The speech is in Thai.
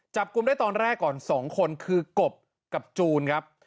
จับกลุ่มได้ตอนแรกก่อน๒คนคือกบกับจูนครับ